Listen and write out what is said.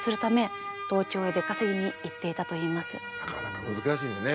なかなか難しいね。